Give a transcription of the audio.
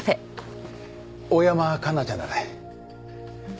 大山環奈ちゃんだね？